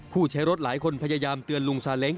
ผู้ใช้รถหลายคนพยายามเตือนลุงซาเล้ง